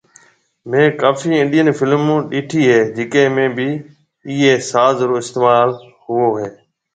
مينھ ڪافي انڊين فلمون ڏيٺي ھيَََ جڪي ۾ بِي ايئي ساز رو استعمال ھوئو ھيَََ